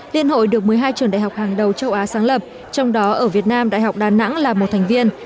liên hội được một mươi hai trường đại học hàng đầu châu á sáng lập trong đó ở việt nam đại học đà nẵng là một thành viên